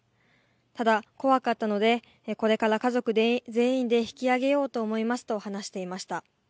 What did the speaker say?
ただ怖かったのでこれから家族全員で引き上げようと思いますと話していました。